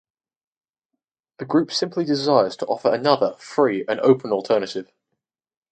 The group simply desires to offer another, free and open alternative.